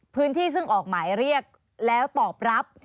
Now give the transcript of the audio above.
พื้นที่ซึ่งออกหมายเรียกแล้วตอบรับ